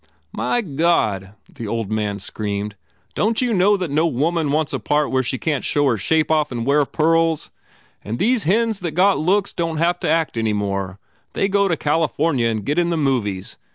"My God," the old man screamed, "don t you know that no woman wants a part where she can t show her shape off and wear pearls ! And these hens that got looks don t have to act any more. They go to California and get in the movies.